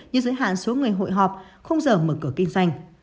như giới hạn số người hội họp không giờ mở cửa kinh doanh